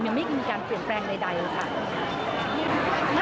ยังไม่มีการเปลี่ยนแปลงใดเลยค่ะ